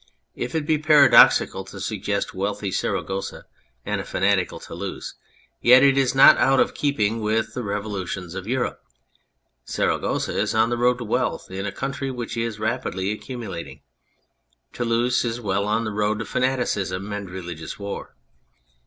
If it be paradoxical to suggest a wealthy Saragossa and a fanatical Toulouse, yet it is not out of keeping with the revolutions of Europe. Saragossa is on the road to wealth in a country which is rapidly accumu lating ; Toulouse is well on the road to fanaticism and religious war.